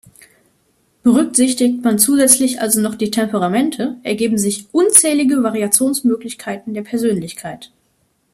Berücksichtigt man zusätzlich also noch die Temperamente, ergeben sich "unzählige Variationsmöglichkeiten der Persönlichkeit".